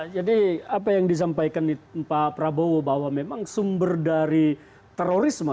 jadi apa yang disampaikan pak prabowo bahwa memang sumber dari terorisme